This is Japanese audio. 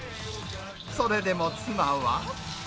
それでも妻は。